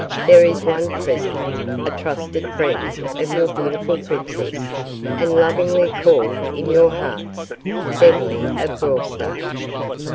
There is one present, a trusted friend of your beautiful princess, and lovingly called in your hearts, Beverly of Graustark.